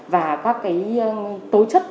và các cái tố chất